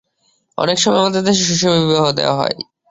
অনেক সময় আমাদের দেশে শৈশবেই বিবাহ দেওয়া হয়।